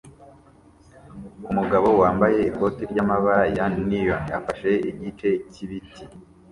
Umugabo wambaye ikoti ryamabara ya neon afashe igice cyibiti